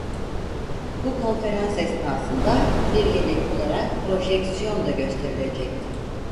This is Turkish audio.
Bu konferans esnasında, bir yenilik olarak, projeksiyon da gösterilecekti.